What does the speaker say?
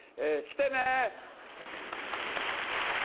来てね！